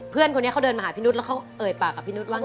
เพื่อนคนนี้เขาเดินมาหาพี่นุษย์แล้วเขาเอ่ยปากกับพี่นุษย์ว่าไง